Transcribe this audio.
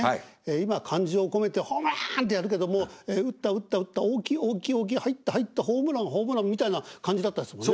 今感情を込めて「ホームラン！」ってやるけども「打った打った打った大きい大きい大きい入った入ったホームランホームラン」みたいな感じだったですもんね。